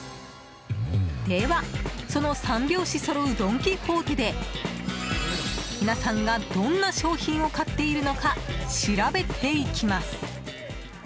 では、その３拍子そろうドン・キホーテで皆さんが、どんな商品を買っているのか調べていきます。